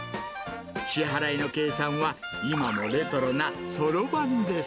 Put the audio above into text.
支払いの計算は、今もレトロなそろばんです。